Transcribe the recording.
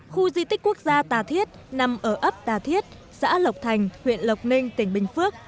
khu di tích quốc gia tà thiết nằm ở ấp đà thiết xã lộc thành huyện lộc ninh tỉnh bình phước